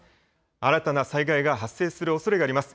新たな災害が発生するおそれがあります。